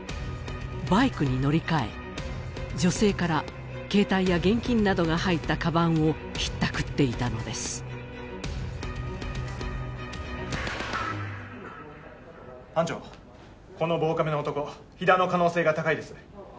バイクに乗り換え女性から携帯や現金などが入ったカバンをひったくっていたのです班長この防カメの男樋田の可能性が高いですね